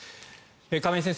亀井先生